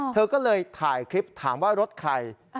เธอก็เลยถ่ายคลิปถามว่ารถใคร